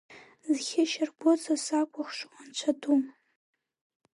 Зхьышьаргәыҵа сакәыхшоу, анцәа ду!